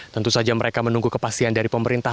tentu saja mereka menunggu kepastian dari pemerintah